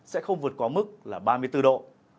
sẽ không vượt quá mức là ba mươi bốn độ